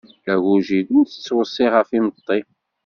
Agujil ur t-ttweṣṣi ɣef imeṭṭi.